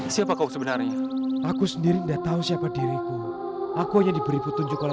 sampai jumpa di video selanjutnya